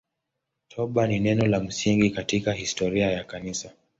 Toba ni neno la msingi katika historia ya Kanisa.